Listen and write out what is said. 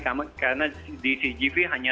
karena di cgv hanya